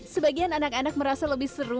sebagian anak anak merasa lebih seru